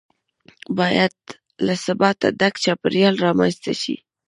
باید له ثباته ډک چاپیریال رامنځته شي.